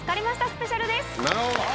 スペシャルです。